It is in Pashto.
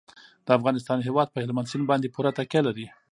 د افغانستان هیواد په هلمند سیند باندې پوره تکیه لري.